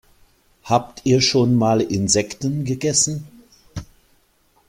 Habt ihr schon mal Insekten gegessen?